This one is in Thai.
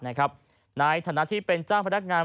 ในฐานะที่เป็นเจ้าพนักงาน